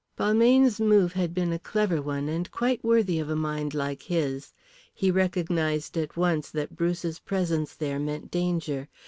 Balmayne's move had been a clever one, and quite worthy of a mind like his. He recognised at once that Bruce's presence there meant danger.